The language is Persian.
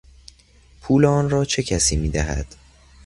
پول آن را چه کسی میدهد؟